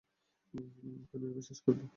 ওখানেই ওকে শেষ করব।